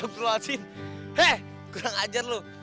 kurang ajar lo